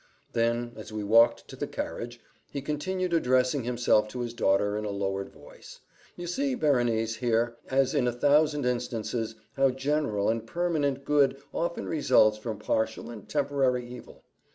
Then, as we walked to the carriage, he continued addressing himself to his daughter, in a lowered voice, "You see, Berenice, here, as in a thousand instances, how general and permanent good often results from partial and temporary evil.